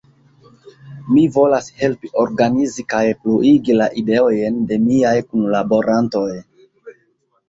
Mi volas helpi organizi kaj pluigi la ideojn de miaj kunlaborantoj.